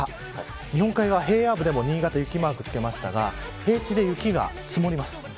日本海側平野部でも新潟雪マークをつけましたが平地で雪が積もります。